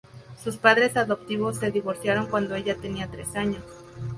Sus padres adoptivos se divorciaron cuando ella tenía tres años.